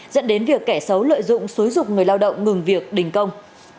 dẫn đến việc kẻ xấu lợi dụng xúi dục người lao động ngừng việc đình công